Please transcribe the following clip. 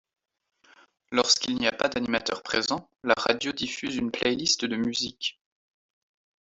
Lorsqu'il n'y a pas d'animateur présent, la radio diffuse une playlist de musiques.